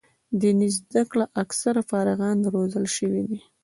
دیني زده کړو اکثره فارغان روزل شوي دي.